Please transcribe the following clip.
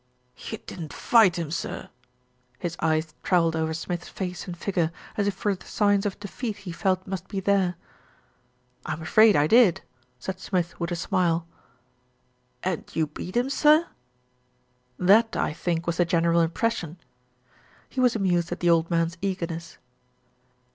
"You didn't fight him, sir." His eyes travelled over Smith's face and figure, as if for the signs of defeat he felt must be there. "I'm afraid I did," said Smith with a smile. "And you beat him, sir?" "That I think was the general impression." He was amused at the old man's eagerness.